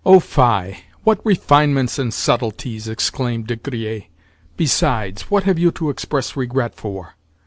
"Oh fie! What refinements and subtleties!" exclaimed De Griers. "Besides, what have you to express regret for?